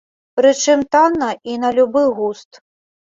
Прычым танна і на любы густ.